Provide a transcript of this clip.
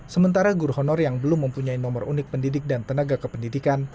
sementara guru honor yang belum mempunyai nomor unik pendidik dan tenaga kependidikan